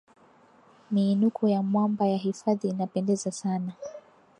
miinuko ya mwamba ya hifadhi inapendeza sana